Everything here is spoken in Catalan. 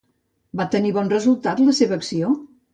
Va tenir bon resultat la seva acció?